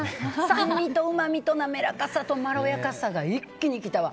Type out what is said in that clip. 酸味とうまみとなめらかさとまろやかさが一気に来たわ。